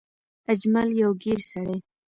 اجمل يو ګېر سړی